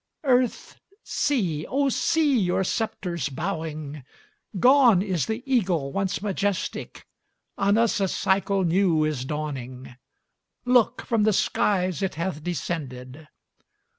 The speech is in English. Earth, see, O see your sceptres bowing. Gone is the eagle once majestic; On us a cycle new is dawning; Look, from the skies it hath descended.